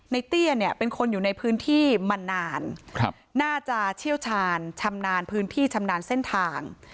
เตี้ยเนี่ยเป็นคนอยู่ในพื้นที่มานานน่าจะเชี่ยวชาญชำนาญพื้นที่ชำนาญเส้นทาง